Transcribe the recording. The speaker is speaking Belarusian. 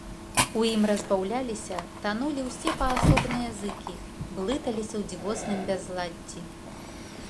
У ім разбаўляліся, танулі ўсе паасобныя зыкі, блыталіся ў дзівосным бязладдзі.